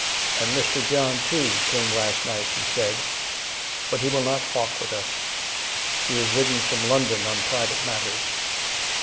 "And Mr. John, too, came last night," he said; "but he will not hawk with us. He is ridden from London on private matters."